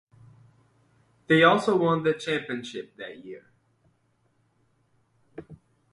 They also won the championship that year.